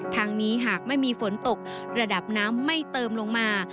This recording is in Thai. ทางนี้หากไม่มีฝนตกระดับน้ำไม่เติมลงมา